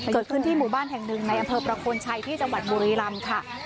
เกิดขึ้นที่หมู่บ้านแห่งหนึ่งในอำเภอประโคนชัยที่จังหวัดบุรีรำค่ะ